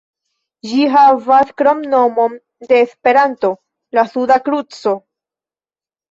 Ĝi havas kromnomon de Esperanto, "La Suda Kruco".